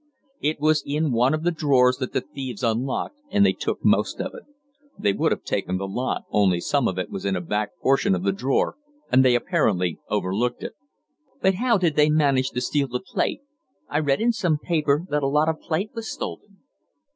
It was in one of the drawers that the thieves unlocked, and they took most of it. They would have taken the lot, only some of it was in a back partition of the drawer, and they apparently overlooked it." "But how did they manage to steal the plate? I read in some paper that a lot of plate was stolen."